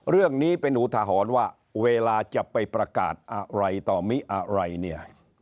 เรื่องนี้เป็นอุทหรณ์ว่าเวลาจะไปประกาศอะไรต่อมิอะไรเนี่ย